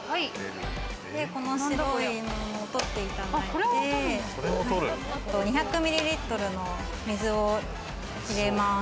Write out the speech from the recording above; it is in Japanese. この白いものを取っていただいて、２００ｍｌの水を入れます。